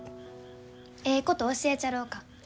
えいこと教えちゃろうか？